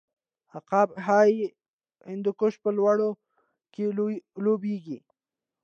عقاب های هندوکش په لوړو کې لوبیږي.